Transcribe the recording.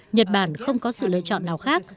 nhật bản không có sự lựa chọn nào khác